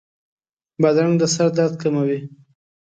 بادرنګ د سر درد کموي.